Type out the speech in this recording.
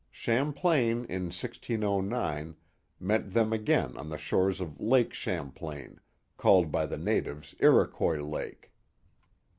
Champlain, in 1609, met them again on the shores of Lake Champlain, called by the natives Iroquois Lake.